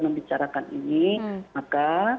membicarakan ini maka